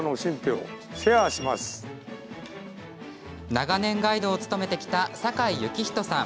長年、ガイドを務めてきた坂井幸人さん。